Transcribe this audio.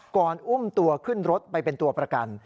อุ้มตัวขึ้นรถไปเป็นตัวประกัน